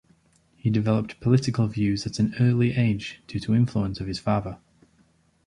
He developed political views at an early age due to influence of his father.